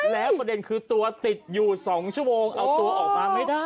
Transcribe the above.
แล้วประเด็นคือตัวติดอยู่๒ชั่วโมงเอาตัวออกมาไม่ได้